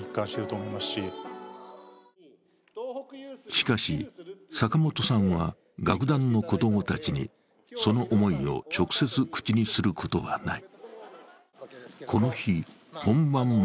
しかし、坂本さんは楽団の子どもたちにその思いを直接口にすることはない。